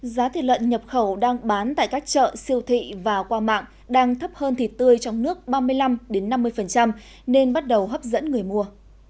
giá thịt lợn nhập khẩu đang bán tại các chợ siêu thị và qua mạng đang thấp hơn thịt tươi trong nước ba mươi năm năm mươi nên bắt đầu hấp dẫn người mua